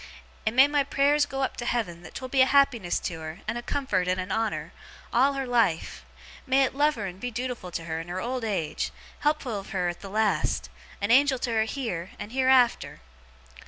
And may my prayers go up to Heaven that 'twill be a happiness to her, and a comfort, and a honour, all her life! May it love her and be dootiful to her, in her old age; helpful of her at the last; a Angel to her heer, and heerafter!